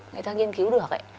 người ta nghiên cứu được